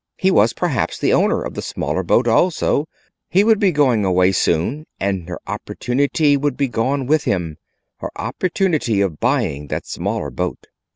He was perhaps the owner of the smaller boat also: he would be going away soon, and her opportunity would be gone with him—her opportunity of buying that smaller boat.